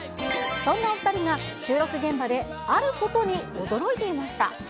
そんなお２人が、収録現場であることに驚いていました。